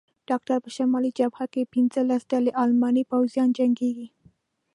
ډاکټر: په شمالي جبهه کې پنځلس ډلې الماني پوځیان جنګېږي.